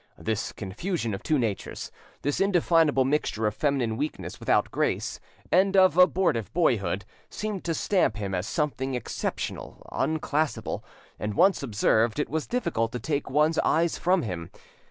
This confusion of two natures, this indefinable mixture of feminine weakness without grace, and of abortive boyhood, seemed to stamp him as something exceptional, unclassable, and once observed, it was difficult to take one's eyes from him.